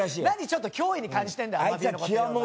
なにちょっと脅威に感じてんだよ